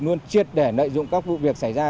luôn triệt đẻ nợi dụng các vụ việc xảy ra